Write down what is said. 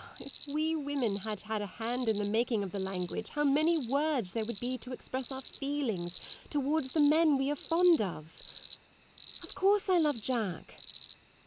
If we women had had a hand in the making of the language, how many words there would be to express our feelings towards the men we are fond of! Of course I love Jack.